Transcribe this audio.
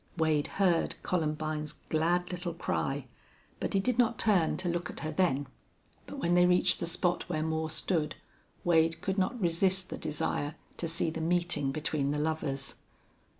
Wade heard Columbine's glad little cry, but he did not turn to look at her then. But when they reached the spot where Moore stood Wade could not resist the desire to see the meeting between the lovers.